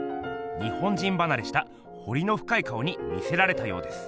日本人ばなれしたほりのふかい顔に魅せられたようです。